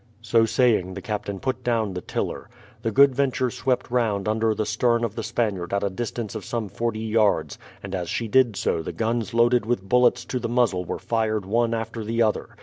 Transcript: So saying the captain put down the tiller. The Good Venture swept round under the stern of the Spaniard at a distance of some forty yards, and as she did so the guns loaded with bullets to the muzzle were fired one after the other.